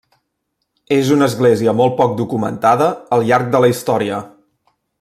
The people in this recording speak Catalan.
És una església molt poc documentada, al llarg de la història.